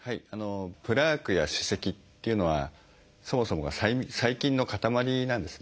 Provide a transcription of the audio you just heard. プラークや歯石っていうのはそもそもが細菌の塊なんですね。